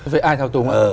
vậy ai thao túng ạ